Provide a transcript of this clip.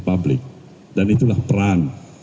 public dan itulah peran